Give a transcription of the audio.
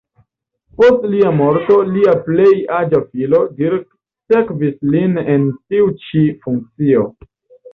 Post lia morto lia plej aĝa filo, Dirk, sekvis lin en tiu ĉi funkcio.